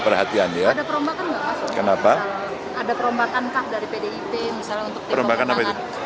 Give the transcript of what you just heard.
perhatian ya kenapa ada perombakan kak dari pdip misalnya untuk pengembangan perombakan apa itu